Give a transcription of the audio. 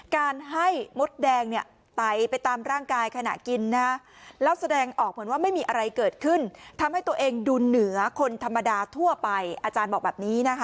การให้มดแดงเนี่ยไตไปตามร่างกายขณะกินนะแล้วแสดงออกเหมือนว่าไม่มีอะไรเกิดขึ้นทำให้ตัวเองดูเหนือคนธรรมดาทั่วไปอาจารย์บอกแบบนี้นะคะ